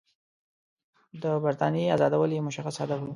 د برټانیې آزادول یې مشخص هدف وو.